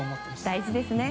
大事ですね。